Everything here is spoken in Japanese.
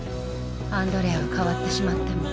アンドレアは変わってしまったの。